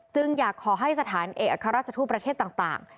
อยากขอให้สถานเอกอัครราชทูตประเทศต่าง